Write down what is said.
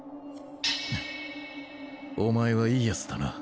フッお前はいいヤツだな。